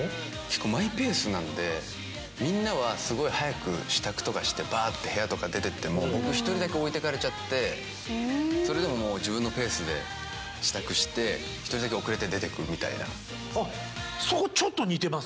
マイペースなので、みんなはすごい速く支度とかして、ばーっと部屋とか出てっても、僕一人だけ置いてかれちゃって、それでも自分のペースで支度して、あっ、そこちょっと似てます。